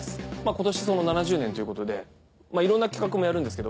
今年その７０年ということでいろんな企画もやるんですけど。